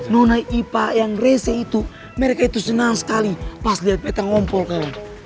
nona ipa yang rese itu mereka itu senang sekali pas liat beta ngompol kawan